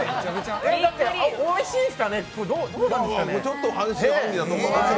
おいしいんですかね、どうなんですかね。